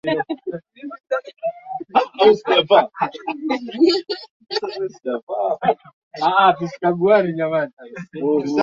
kuadhimisha Siku ya Mazingira Duniani